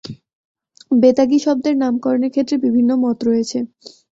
বেতাগী শব্দের নামকরণের ক্ষেত্রে বিভিন্ন মত রয়েছে।